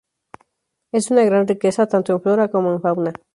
Es de una gran riqueza tanto en flora como en fauna.